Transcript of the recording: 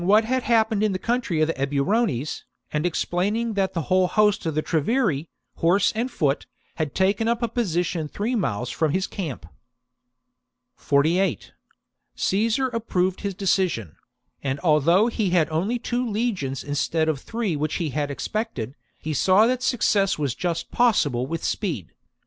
c. what had happened in the country of the Eburones, and explaining that the whole host of the Treveri, horse and foot, had taken up a position three miles from his camp. 48. Caesar approved his decision ; and al though he had only two legions instead of the three which he had expected, he saw that suc cess was just possible with speed.